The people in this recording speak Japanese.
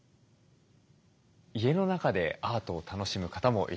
家の中でアートを楽しむ方もいらっしゃいます。